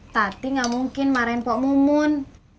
tapi gak mungkin marahin pok mumun